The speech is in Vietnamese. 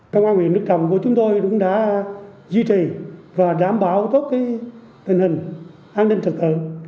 công an huyện đức trọng của chúng tôi cũng đã duy trì và đảm bảo tốt tình hình an ninh trật tự